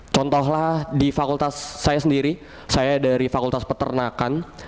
contohlah di fakultas saya sendiri saya dari fakultas peternakan